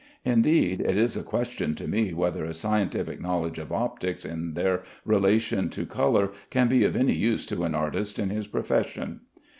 Indeed, it is a question to me whether a scientific knowledge of optics in their relation to color can be of any use to an artist in his profession.